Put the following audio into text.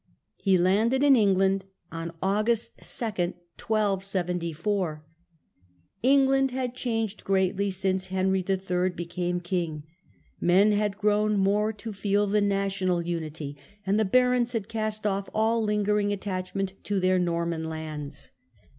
He landed in England on August 2, 1274. England had changed greatly since Henry III. became king. Men had grown more to feel the national unity, and the barons had cast off all lingering attachment to their Norman lands.